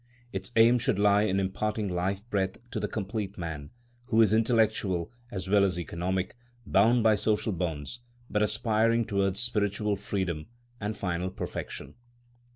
Its aim should lie in imparting life breath to the complete man, who is intellectual as well as economic, bound by social bonds, but aspiring towards spiritual freedom and final perfection.